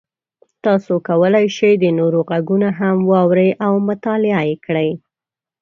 تاسو کولی شئ د نورو غږونه هم واورئ او مطالعه کړئ.